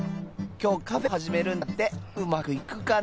今日からカフェを始めるんだってうまくいくかな？